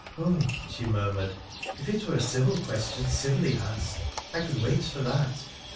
' Oh !' she murmured, ' if it were a civil question civilly asked, I could wait for that.